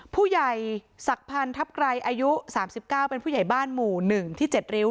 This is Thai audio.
ผู้ใหญ่ศักดิ์พันธ์ทัพไกรอายุ๓๙เป็นผู้ใหญ่บ้านหมู่๑ที่๗ริ้ว